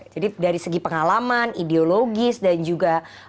jadi dari segi pengalaman ideologis dan juga